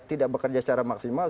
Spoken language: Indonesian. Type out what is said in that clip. tidak bekerja secara maksimal